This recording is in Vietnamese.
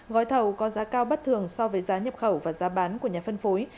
gói thầu có giá cao bất thường so với giá nhập khẩu và giá bán của nhà phân phối